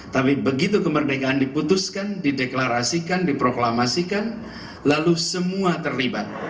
tapi begitu kemerdekaan diputuskan dideklarasikan diproklamasikan lalu semua terlibat